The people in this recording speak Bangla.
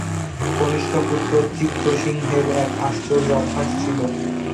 কনিষ্ঠ পুত্র চিত্রসিংহের এক আশ্চর্য অভ্যাস ছিল।